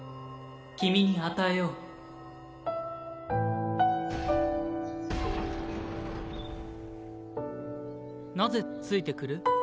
君に与えようなぜついてくる？